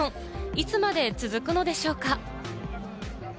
いつまで続くのでしょうか。